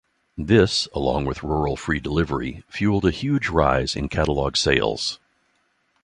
This, along with Rural Free Delivery, fueled a huge rise in catalog sales.